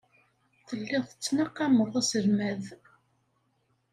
Telliḍ tettnaqameḍ aselmad.